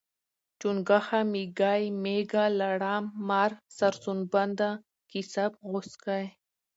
چونګښه، میږی، میږه، لړم، مار، سرسوبنده، کیسپ، غوسکی